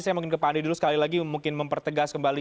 saya mungkin ke pak andi dulu sekali lagi mungkin mempertegas kembali